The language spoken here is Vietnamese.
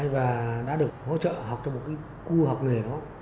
và đã được hỗ trợ học trong một khu học nghề đó